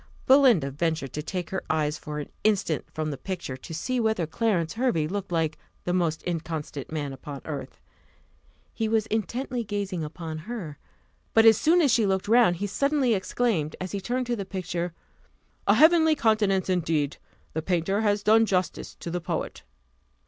Belinda ventured to take her eyes for an instant from the picture, to see whether Clarence Hervey looked like the most inconstant man upon earth. He was intently gazing upon her; but as soon as she looked round, he suddenly exclaimed, as he turned to the picture "A heavenly countenance, indeed! the painter has done justice to the poet."